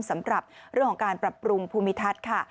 สำหรับเรื่องของการปรับปรุงภูมิทัศน์ค่ะ